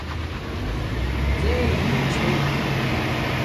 زیر بوت چھ